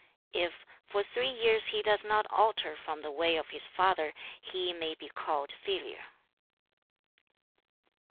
If for three years he does not alter from the way of his father, he may be called filial.'